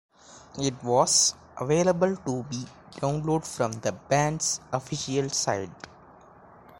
It was available to be downloaded from the band's official site.